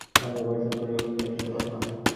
মহেন্দ্র গর্জন করিয়া উঠিল, মিথ্যা কথা!